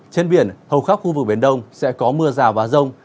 trên biển hầu khắp khu vực biển đông sẽ có mưa rào và rông